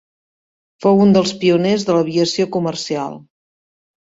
Fou un dels pioners de l'aviació comercial.